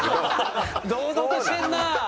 堂々としてんな。